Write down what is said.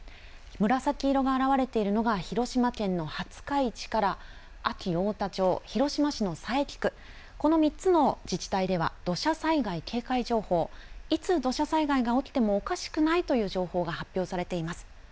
紫色が現れているのが広島県の廿日市から安芸太田町、広島市の佐伯区、この３つの自治体では土砂災害警戒情報、いつ土砂災害が起きてもおかしくないという情報が発表されています。